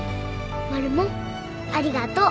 マルモありがとう。